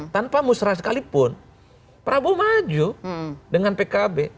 tanpa musrah sekalipun prabowo maju dengan pkb